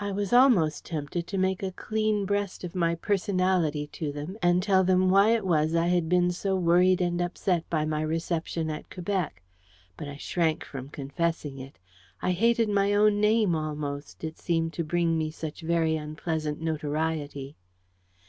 I was almost tempted to make a clean breast of my personality to them, and tell them why it was I had been so worried and upset by my reception at Quebec: but I shrank from confessing it. I hated my own name, almost, it seemed to bring me such very unpleasant notoriety.